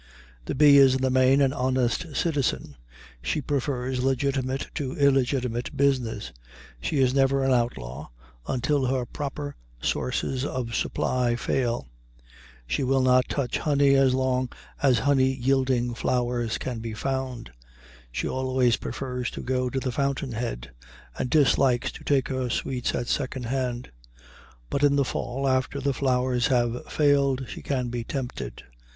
The bee is in the main an honest citizen: she prefers legitimate to illegitimate business; she is never an outlaw until her proper sources of supply fail; she will not touch honey as long as honey yielding flowers can be found; she always prefers to go to the fountain head, and dislikes to take her sweets at second hand. But in the fall, after the flowers have failed, she can be tempted.